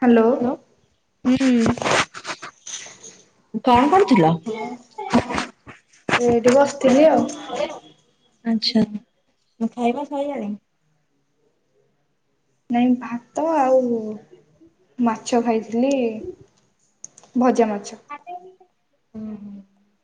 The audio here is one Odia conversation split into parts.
ହ୍ୟାଲୋ। ହାଲୋ, ହୁଁ କଣ କରୁଥିଲ? ହଁ। ଏଇଠି ବସିଥିଲି ଆଉ। ଆଚ୍ଛା, ଖାଇବା ସଇଲାଣି। ନାଇଁ ଭାତ ଆଉ ମାଛ ଖାଇଥିଲି। ଭଜା ମାଛ।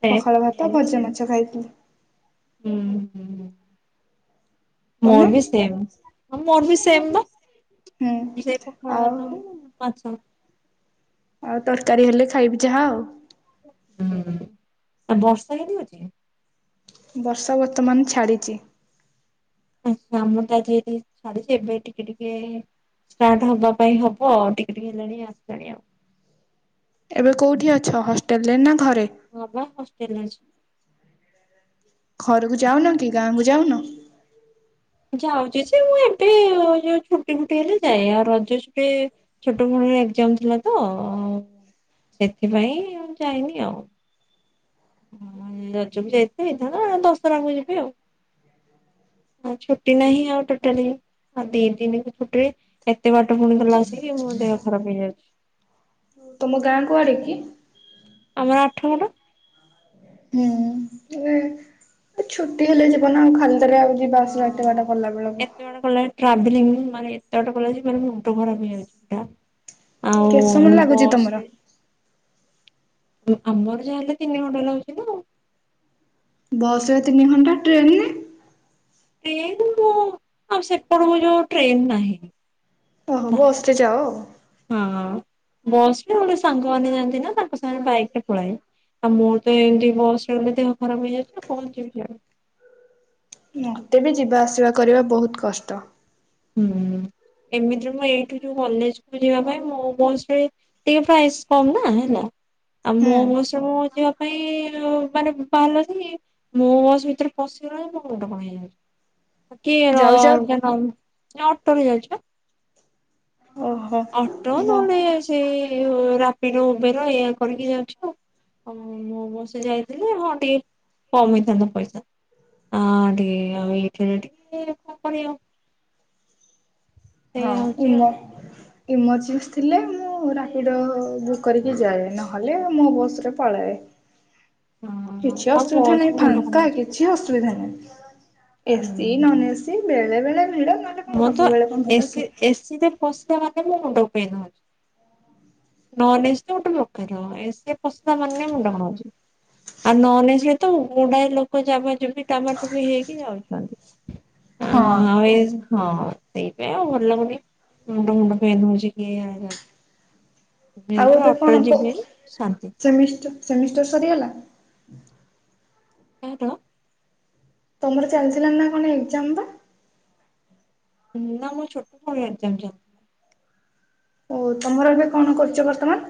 ସେ ପଖାଳ ଭାତ ମ ବିି ଭଜା ସେ [unintelligible] ମାଛ ଖାଇଥିଲି ହୁଁ ହୁଁ ତମେ ମୋର ବି ସେମ୍ ଆଉ ମୋର ବି ସେମ୍ ବା ହୁଁ। ସେ ପଖାଳ ଆଉ ଭାତ କୁ ମାଛ। ଆଉ ତରକାରୀ ହେଲେ ଖାଇବି ଯାହା ଆଉ। ହୁଁ ଆଉ ବର୍ଷା କେମିତି ହଉଛି। ବର୍ଷା ବର୍ତ୍ତମାନ ଛାଡ଼ିଛି। ହଁ ଆମର ତ ଆଜି ଏଠି ଛାଡିଛି ଏବେ ଟିକେ-ଟିକେ। ଷ୍ଟାର୍ଟ ହବା ପାଇଁ ହବ ଆଉ ଟିକେ ଟିକେ ହେଲାଣି ଆସିଲାଣି ଆଉ। ଏବେ କେଉଁଠି ଅଛ ହଷ୍ଟେଲରେ ନା ଘରେ। ହଁ ବା ହଷ୍ଟେଲରେ ଅଛି। ଘରକୁ ଯାଉନ କି ଗାଁ କୁ ଯାଉନ। ଯାଉଛି ଯେ ମୁଁ ଏବେ ଯୋଉ ଛୁଟି ଫୁଟି ହେଲେ ଯାଏ। ଆଉ ରଜ ଛୁଟିରେ ଛୋଟ ଭଉଣୀର ଏକ୍ଜାମ ଥିଲା ତ ସେଥିପାଇଁ ଆଉ ଯାଇନି ଆଉ। ହୁଁ ରଜ କୁ ଯାଇଥିଲି ହେଇଥାନ୍ତି ଦଶହରା କୁ ଯିବି ଆଉ। ଆଉ ଛୁଟି ନାହିଁ ଆଉ ଟୋଟାଲି। ହଁ ଦି ଦିନି ତିନି ଛୁଟିରେ ଏତେ ବାଟ ପୁଣି ଗଲା ଆସିକି ମୋ ଦେହ ଖରାପ ହେଇଯାଉଛି। ତମ ଗାଁ କୁଆଡ଼େ କି? ଆମର ଆଠ ଘଣ୍ଟା। ହୁଁ ହେଲେ ଏ ଛୁଟି ହେଲେ ଯିବ ନା ଆଉ ଖାଲିଟାରେ ଆଉ। ଯିବା ଆସିବା ଏତେ ବାଟ ହଁ କଲା ବେଳକୁ। ଏତେ ବାଟ କଲେ ଟ୍ରାଭେଲିଂଗ୍ ମାନେ ଏତେ ବାଟ ଗଲା ଯେ ମୋ ମୁଁଣ୍ଡ ଖରାପ ହେଇଯାଉଛି ଟା। କେତେ ସମୟ ଲାଗୁଛି ତମର। ଆମର ଯାହା ହେଲେ ତିନି ଘଣ୍ଟା ଲାଗୁଛି ତ। ବସ୍ ରେ ତିନି ଘଣ୍ଟା ଟ୍ରେନ୍ ରେ? ଟ୍ରେନ୍ ମୁଁ ଆଉ ସେପଟ ଯୋଉ ଟ୍ରେନ୍ ନାହିଁ। ଓହୋ ବସ ରେ ଯାଅ। ହଁ ବସ୍ ରେ ନହେଲେ ସାଙ୍ଗମାନେ ଯାଆନ୍ତି ନା ତାଙ୍କ ସାଙ୍ଗରେ ବାଇକ୍ ରେ ପଳାଇ। ଆଉ ମୋର ତ ଏମିତି ବସ୍ ରେ ଗଲେ ଦେହ ଖରାପ ହେଇଯାଉଛି ଆଉ ପହଞ୍ଚିବି କୁଆଡେ। ହୁଁ। ହେ ଯିବା ଆସିବା କରିବା ବହୁତ କଷ୍ଟ। ହୁଁ ଏମିତିରେ ମୁଁ ଏଇଠୁ ଯୋଉ କଲେଜକୁ ଯିବା ପାଇଁ ମୋ ବସ୍ ରେ ଟିକେ ପ୍ରାଇସ୍ କମା ହେଲା ଆଉ ମୋ ହୁଁ ବସ୍ ରେ ମୁଁ ଯ ପାଇଁ ମାନେ ବାହାରନ୍ତି ମୋବସ୍ ଭିତରେ ପଶିଗଲା ମୋ ମୁଣ୍ଡ କଣ ହେଇଯାଉଛି। କି ର ଯାଉ ଯାଉ [unintelligible] ଅଟରେ ଯାଉଛି ପା। ଓହୋ ଅଟୋ ମୋ ନହେଲେ ସେ ସେ ରାପିଡୋ ଓବେର ଏୟା କରିକି ଯାଉଛୁ ଆଉ। ହଁ ମୋ ବସ୍ ରେ ଯାଇଥିଲି ହଁ ଟିକେ କମ ହେଇଥାନ୍ତା ପଇସା। ହଁ ଟିକେ ଆଉ ଏଇଥିରେ ଟିକେ କଣ କରିବ। ହଁ ହଉଛି ଆଉ। ବୁଲ। ଏମୋରର୍ଜେନ୍ସ ଥିଲେ ମୁଁ ରାପିଡ଼ ବୁକ୍ କରିକି ଯାଏ। ନହେଲେ ମୋ ବସ୍ ରେ ପଳାଏ। ହଁ କିଛି ମୋ ଅସୁବିଧା ବସ୍ ନାହିଁ ରେ ମୁଣ୍ଡ କଣ ଫାଙ୍କା ହଉଛି କିଛି ଅସୁବିଧା ନାହିଁ ହୁଁ ଏସି ନନ୍ ହୁଁ। ଏସି ସେଇ ବେଳେ ବେଳେ ଭିଡ଼ ନହେ ମୁଁ ତ ଏସି ଏସିରେ ପଶିଲା ମାତ୍ରେ ମୋ ମୁଣ୍ଡ ପେନ୍ ହୋଉଛି। ନନ୍ ଏସି ତ ଗୋଟେ ପ୍ରକାର ଏସି ରେ ପଶିଲା ମାନେ ମୁଣ୍ଡ କଣ ହଉଚି। ଆଉ ନନ୍ ଏସି ରେ ତ ଗୁଡାଏ ଲୋକ ଜାବା ଯାବି ଟାବା ଟାବ ହେଇକି ଯାଉଛନ୍ତି। ହଁ ଆଁ ଆଉ ଏଯ ହଁ ସେଇପାଇଁ ଆଉ ଭଲ ଲାଗୁନି ମୁଣ୍ଡ ଫୁଣ୍ଡ ପେନ୍ ହଉଛି କିଏ। [inaudible] ଆଉ ଏବେ ଅଟୋରେ କଣ କୋ ଯିବି ଶାନ୍ତି ସେମିଷ୍ଟା ସେମିଷ୍ଟାର ସରିଗଲା। କଣ କଣ ତମର ଚାଲିଥିଲା ନା କଣ ଏକ୍ଜାମ ବା? ନା ମୋ ଛୋଟ ଭଉଣୀ ଏକଜାମ୍ ଚାଲ୍ ଓ ତମର ଏବେ କଣ କରୁଛ ବର୍ତ୍ତମାନ?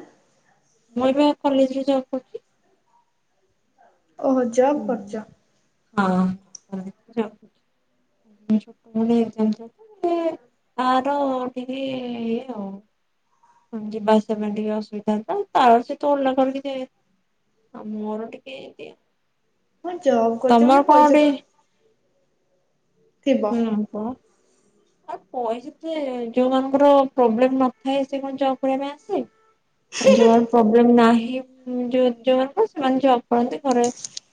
ମୁଁ ଏବେ କଲେଜରେ ଜବ କରୁଛି। ଓହୋ ଯଵ୍ କରୁଛ। ହଁ କଲେଜ୍ ରେ ଜଵ୍ କରୁଛି, ଭୁବନେଶ୍ୱରରେ ପୁଣି ଏକଜାମ୍ ଚାଲିଛି। ଏ ଆର ଟିକେ ଇଏ ଆଉ ଯିବା ଆସିବା ପାଇଁ ଟିକେ ଅସୁବିଧା ତ ତାର ସିଏ ତ ଓଲା କରିକି ଦିଏ। ଆଉ ମୋର ଟିକେ ଏନ୍ତିଆ ହଁ ଜବ୍ କରୁଛ ମାନେ ପଇସା ତ ଟିକେ ଥିବ। ହୁଁ କୁହ। ଆଉ ପଇସା ଥାଏ ଯୋଉ ମାନଙ୍କର ପ୍ରୋବ୍ଲେମ ନଥାଏ ସେ କଣ ଜବ କରିବା ପାଇଁ ଆସେ। ଜଵ୍ ପ୍ରୋବ୍ଲେମ ନାହିଁ ଯୋଉ ଯୋଉ ମାନଙ୍କ ସେମାନେ ଜଵ୍ କରନ୍ତି ଘରେ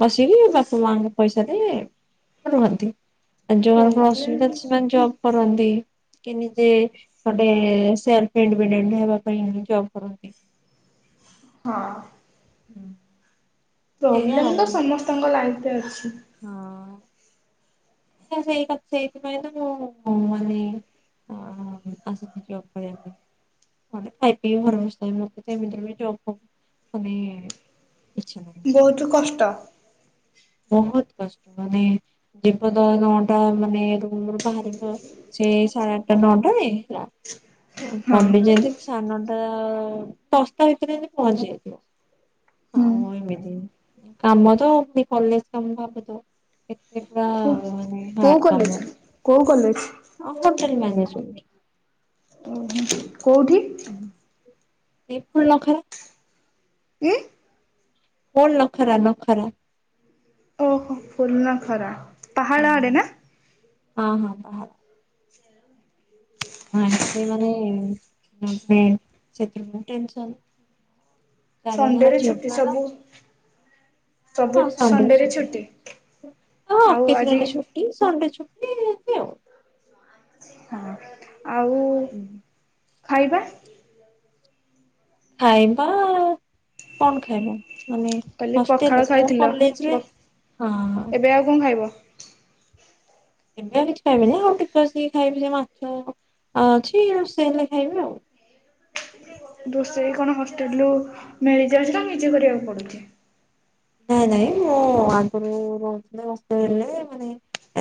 ବସିକି ବାପା ମାଙ୍କ ପଇସାରେ ରୁହନ୍ତି ଆଉ ଯୋଉମାନଙ୍କର ଅସୁବିଧା ପ୍ରୋବ୍ଲେମ୍ ଅଛି, ସେମାନେ ଜବ କରନ୍ତି କି ନିଜେ ଗୋଟେ ସେଲ ଇଣ୍ଡେପେଣ୍ଡେଣ୍ଟ ହେବା ପାଇଁ ଜବ୍ କରନ୍ତି। ହଁ। ହୁଁ। ପ୍ରୋବ୍ଲେମ ତ ସମସ୍ତଙ୍କ ଲାଇଫରେ ଅଛି। ହଁ। ମୁଁ ସେଇ କଥା ସେଇଥିପାଇଁ ତ ମୁଁ ମାନେ ଓହୋ ଆସିଛି ଜବ କରିବା ପାଇଁ। ନହେଲେ ଖାଇ ପିଇକି ଘରେ ବସିଥାଏ, ମୋତେ ତ ଏମିତି ରେ ବି ଜବ୍ ଫବ୍ କରି ଇଚ୍ଛା ନାହିଁ। ବହୁତ କଷ୍ଟ ବହୁତ କଷ୍ଟ ମାନେ ଜୀବ ତ ଅଧ ଘଣ୍ଟା ମାନେ ରୁମ ରୁ ବାହାରିବ ସେ ସାଢ଼େ ଆଠଟା ନଅଟାରେ ହେଲା, ହଁ କଲି ଯଦି ସାଢ଼େ ନଅଟା ଦଶଟା ଭିତରେ ପହଞ୍ଚି ଯାଇଥିବ। ହୁଁ ଆଉ ଏମିତି କାମ ତ କଲେଜ୍ କାମ ଭାବୁଥିବ ଏତେ ପୁରା କୁ ମାନେ କୋଉ ହାର୍ଡ କଲେଜ କାମ। କୋଉ କଲେଜ? ଆ ହୋଟେଲ ମ୍ୟାନେଜମେଣ୍ଟ। ଓହୋ କୋଉଠି? ହୁଁ। ଏ ଫୁଲନଖରା। ଉଁ। ଫୁଲନଖରା ନଖରା। ଓହୋ ଫୁଲନଖରା ହୁଁ, ପାହାଳ ଆଡ଼େ ନା? ହଁ ହଁ ପାହାଳ। ଆଚ୍ଛା ଆଉ ହଁ ଆଣିଛି ମାନେ ଲୋନ୍ ରେ ସେଟା ବି ଟେନସନ୍। ଚାରି ଆଡେ ପା ସଣ୍ଡେରେ ଝିଅ ଛୁଟି ପିଲା ପା ସବୁ ସବୁ ହଁ ସଣ୍ଡେ ସଣ୍ଡେରେ ଛୁଟି ହଁ ଆଉ ଆଜି ଅକେସନ୍ୟାଲ୍ ଛୁଟି ସଣ୍ଡେ ଛୁଟି ଏମିତି ଆଉ ହଁ ଆଉ ହୁଁ। ଖାଇବା ଖାଇବା କଣ ଖାଇବା ମାନେ କହିଲି ପଖାଳ ହଷ୍ଟେଲ ହଉ ଖାଇଥିଲ କଲେଜ ରେ ହ ଏବେ ଆଉ କଣ ଖାଇବ? ଏବେ ଆଉ କିଛି ଖାଇବିନି ଆଉ ଟିକେ ଆସିକି ଖାଇବି ସେ ମାଛ ଅଛି ରୋଷେଇ ହେଲେ ଖାଇବି ଆଉ ରୋଷେଇ କଣ ହଷ୍ଟେଲ ରୁ ମିଳିଯାଉଛି ନା ନିଜେ କରିବାକୁ ପଡୁଛି ନାଇଁ ନାଇଁ ମୁଁ ଆଗରୁ ରହୁଥିଲି ହଷ୍ଟେଲରେ ମାନେ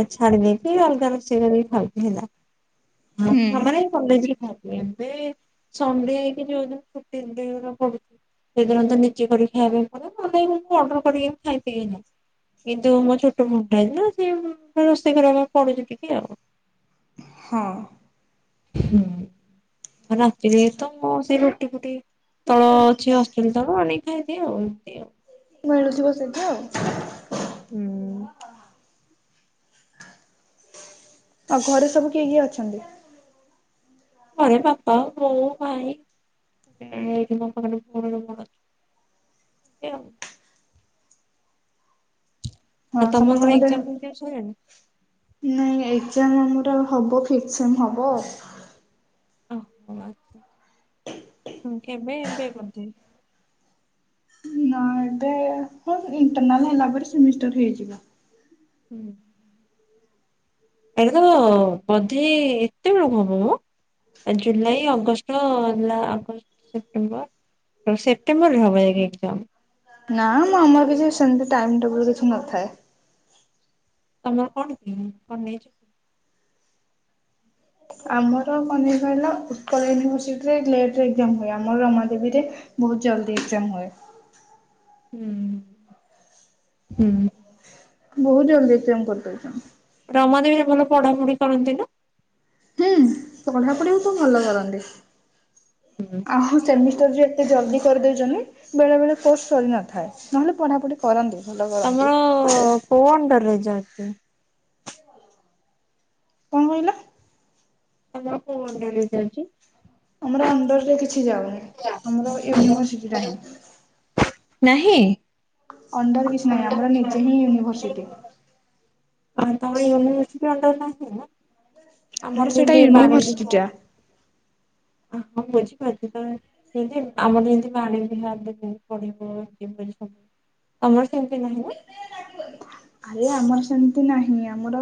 ଆ ଛାଡ଼ିଦେଇକି ଅଲଗା ରୋଷେଇ କରିକି ଖାଉଛୁ ଏଇନା ହଁ ହୁଁ। ଆମର ଏ କଲେଜରେ ଖାଉଥିଲି ଏବେ ସନଣ୍ଡେ କି ଯେଉଦିନ ଛୁଟି ଏମିତି ଯୋଉରା ପଡୁଛି ସେଦିନ ତ ନିଜେ କରି ଖାଇବା ପାଇଁ ପଡେ ନହେଲେ ଏମିତି ଅର୍ଡର କରିକି ଆମେ ଖାଇପିନା କିନ୍ତୁ ମୋ ଛୋଟ ଭଉଣୀ ଟା ଅଛି ନା ସେ ରୋଷେଇ କରିବା ପାଇଁ ପଡୁଛି ଟିକେ ଆଉ ହଁ ହୁଁ ଆଉ ରାତିରେ ତ ମୁ ସେଇ ରୁଟି ଫୁଟି ତଳ ଅଛି ହଷ୍ଟେଲ ତଳୁ ଆଣିକି ଖାଇଦିଏ ଆଉ ଏମିତି ଆଉ ମିଳୁଥିବ ସେଠେ ଆଉ ହୁଁ ଆଉ ଘରେ ସବୁ କିଏ କିଏ ଅଛନ୍ତି? ଘରେ ବାପା ବୋଉ ଭାଇ ଏଇଠି ମୋ ପାଖରେ ପୁଅ ରହିବ ନା ତି ଆଉ ହଁ ଆଉ ତମର ସମସ୍ତଙ୍କ କଣ ଦେହ ଏକ୍ସାମ ଫେଗଜାମ ସଇଲାଣି? ନାଇଁ ଏକ୍ଜାମ ଆମର ହବ ଫିକ୍ସିଙ୍ଗ ହବ ଓହୋ ଆଛା ହଁ କେବେ ଏବେ ବୋଧେ ନା ଏବେ ହଁ ଇଣ୍ଟରନାଲ ହେଲା ପରେ ସେମିଷ୍ଟାର ହେଇଯିବ ହୁଁ ଏଇନା ବୋଧେ ଏତେବେଳୁ କଣ ହବ ମ ଜୁଲାଇ ଅଗଷ୍ଟ ଲା ଅଗଷ୍ଟ ସେପ୍ଟେମ୍ବର ଓ ସେପ୍ଟେମ୍ବରରେ ହବ ଏକ୍ଜାମ ନା ମ ଆମର କିଛି ସେମିତି ଟାଇମ ଟେବୁଲ କିଛି ନଥାଏ ତମର କଣ କି କଣ ନେଇଛ ଆମର ମାନେ କହିଲ ଉତ୍କଳ ୟୁନିଭରସିଟିରେ ଲେଟ୍ ରେ ଏକ୍ସାମ ହୁଏ ଆମର ରମାଦେବୀରେ ବହୁତ ଜଲଦି ଏକ୍ସାମ ହୁଏ। ହୁଁ ହୁଁ ବହୁତ ଜଲଦି ଏକ୍ସାମ କରିଦେଉଛ ରମାଦବୀରେ ଭଲ ପଢାପଢି କରନ୍ତି ନା ହୁଁ ପଢ଼ା ପାଢ଼ୀ ତ ଭଲ କରନ୍ତି। ହୁଁ ଆମ ସେମିଷ୍ଟାର ଯୋଉ ଏତେ ଜଲଦି କରିଦେଉଛନ୍ତି ବେଳେବେଳେ କୋର୍ସ ସରିନଥାଏ ନହେଲେ ପଢ଼ାପଢ଼ି କରନ୍ତି ଭଲ ତମର କରନ୍ତି। କୋଉ ଅଣ୍ଡର ରେ ଯାଉଛି କଣ କହିଲ ତମର କୋଉ ଅଣ୍ଡର ରେ ଯାଉଛି ଆମର ଅଣ୍ଡର ରେ କିଛି ଯାଉନି ଆମର ୟୁନିଭର୍ସିଟି ଟା ହିଁ ନାହିଁ। ଅଣ୍ଡର କିଛି ନାହିଁ ଆମର ନିଜେ ହିଁ ୟୁନିଭର୍ସିଟି। ଆଉ ତମର ୟୁନିଭର୍ସିଟି ଅଣ୍ଡର ନାହିଁ ନା। ଆମର ସେଇଟା ଯେତିଁ ୟୁନିଭର୍ସିଟି ଟା। ବାଣୀବିହାର ହଁ ବୁଝିପାରୁଚି ତମେ ସେମତି ଆମର ଯେମିତି ବାଣୀବିହାର [unintelligible] ତମର ସେମିତି ନାହିଁ ନା। ଆରେ ଆମର ସେମିତି ନାହିଁ ଆମର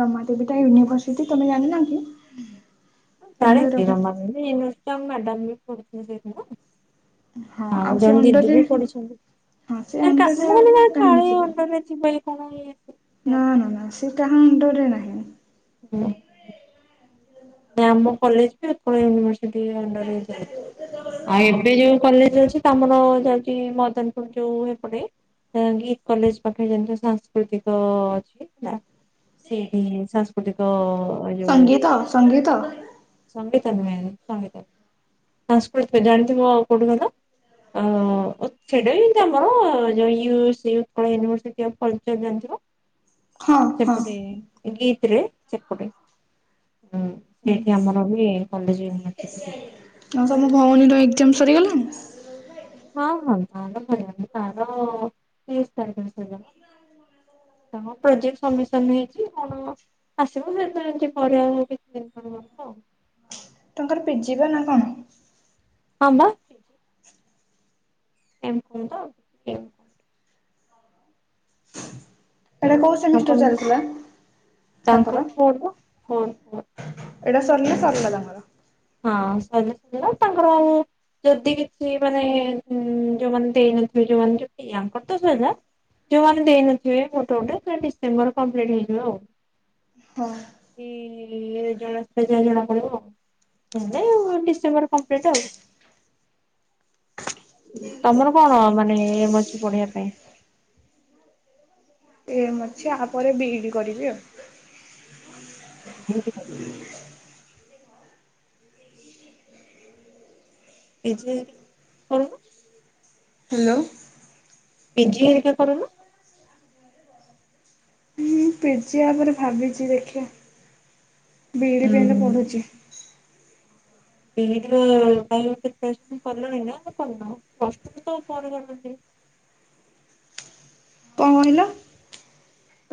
ରମାଦେବୀ ଟା ୟୁନିଭରସିଟି ତମେ ଜାଣିନ କି? ତମେ ଜାଣଛି ରହି ରମା ଦେବୀ ୟୁନିଭରସିଟି ଆମ ମ୍ୟାଡାମ ବି ପଢ଼ୁଥିଲେ ହଁ ସେଥିରେ। ଆଉ ଅଉ ସେ ଜଣେ ଦିଦି ଅଣ୍ଡରରେ ବି ହଁ ସେ ପଡିଛନ୍ତି। ଏ କା ଅଣ୍ଡରରେ ମୁ ଆଉ କଲି କାଳେ କାହିଁ କାଳେ ମିଶିବ। ଅଣ୍ଡରେ ଥିବ କି କଣ [inaudible] ନା ନା ନା ସେ କାହା ଅଣ୍ଡରେ ନାହିଁ। ହୁଁ। ଏ ଆମ କଲେଜ ରେ। ଉତ୍କଳ ୟୁନିଭରସିଟି ଅଣ୍ଡର ରେ ଯାଏ ଆଉ ଏବେ ଯୋଉ କଲେଜ ଅଛି। ତ ଆମର ଯାଉଛି ମଦନପୁର ଯୋଉ ହେପଟେ ଟାଙ୍ଗି କଲେଜ ପାଖରେ ଯେମିତି ସାଂସ୍କୃତିକ ଅଛି ହେଲା। ସେଇଠି ହିଁ ସାଂସ୍କୃତିକ ଯୋଉ ସଙ୍ଗୀତ ସଙ୍ଗୀତ ସଙ୍ଗୀତ ନୁହେ ସଙ୍ଗୀତନୁହେଁ ସଂସ୍କୃତିକ ଜାଣିଥିବ ଆଉ କୋଉଠି କହିଲ ଅ ସେଟା ଏମତି ଆମର ଯଉ ୟୁ ସି ଉ ୟୁନିଭର୍ସିଟି ଅଫ୍ କଲଚର ଜାଣିଥିବ। ହଁ ହଁ ସେପଟେ ହୁଁ ଗୀତ୍ ରେ ସେପଟେ ହଁ। ସେ ଆମର ବି କଲେଜ ୟୁନିଭରସିଟିରେ। ଆଉ ତମ ଭଉଣୀର ଏଗ୍ଜାମ ସରିଗଲାଣି। ହଁ ହଁ ତାର ସରିଗଲାଣି ତାର ତିରିଶ ତାରିଖରେ ସରିଗଲା। ତାଙ୍କ ପ୍ରୋଜେକ୍ଟ ଶମିସନ ହେଇଛି କଣ ଆସିବ ସେ ଏମିତି ପଢୀବାକୁ କିଛି ଦିନ [unintelligible] ତାଙ୍କାର ପି ଜି ବା ନା କଣ। ହଁ ବା। ଏମତି ଭଲ ତ ଆଉ। ହଁ ଏଟା କୋଉ ସେମିଷ୍ଟାର ତମେ ଚାଲିଥିଲା ତାଙ୍କର। ଫୋନ ଫୋନ ଫୋନ ଏଟା ସରଲେ ସରଲା ତାଙ୍କର। ହଁ ସଇଲେ ସଇଲା ତାଙ୍କର ଆଉ ଯଦି କିଛି ମାନେ ଯୋଉମାନେ ଦେଇନଥିବେ ଯୋଉମାନେ ଯୋଉ ଇ ୟାଙ୍କର ତ ସଇଲା। ଯୋଉମାନେ ଦେଇନଥିବେ ଗୋଟେ ଗୋଟେ ସେ ଡିସେମ୍ବର କମ୍ପ୍ଲିଟ ହେଇଯିବ ଆଉ। ହଁ। ଏ ରିଜଲ୍ଟ ଆସିଲେ ଯାହା ଜଣା ପଡିବ ଆଉ। ନହେଲେ ଆଉ ଡିସେମ୍ବର କମ୍ପ୍ଲିଟ୍ ଆଉ। ତମର କଣ ମାନେ ଏମ୍ ଅଛି ପଢିବା ପାଇଁ। ଏମ୍ ଅଛି ଆପରେ ବି ଇ ଡ଼ି କରିବି ଆଉ। ବି ଇ ଡ଼ି [inaudible] [inaudible] ପିଜି କରୁନ। ହ୍ୟାଲୋ। ପିଜି ହେରିକା କରୁନ। ମୁଁ ପିଜିି ୟାପରେ ଭାବିଛି ଦେଖିଆ ବି ଇ ଡ଼ି ପାଇଁ ତ ହୁଁ। ପଢୁଛି। ବିଇଡି ର ପାଇଁ ପ୍ରିପାରେଶନ କଲଣି ନା କରିନ? [unintelligible] କଁ କହିଲ?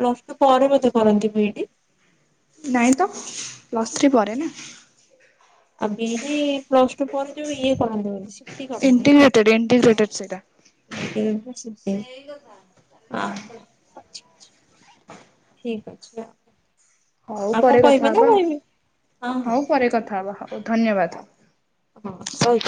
ପ୍ଲସ ଟୁ ପରେ ବୋଧେ କରନ୍ତି ବିଇଡ଼ି? ନାଇଁ ତ ପ୍ଲସ୍ ଥ୍ରୀ ପରେ ନା। ଆଉ ବିଇଡ଼ି ପ୍ଲସ ଟୁ ପରେ ଯୋଉ ଇଏ କରନ୍ତି ବ ସିଟି କରନ୍ତି ନା [inaudible] ଇଣ୍ଟିଗ୍ରେଟେଡ୍ ଆହ ଇଣ୍ଟିଗ୍ରେଟେଡ୍ ସେଇଟା। ଆଚ୍ଛା ଆଚ୍ଛା। ଠିକ ଅଛି ଆ ହଉ ଆଉ କଣ ପରେ କଥା କହିବେ ନା ହବା। କହିବି ହଁ ହଁ। ହଉ ପରେ କଥା ହେବା ହ। ହଉ ଧନ୍ୟବାଦ। ହଁ ହଉ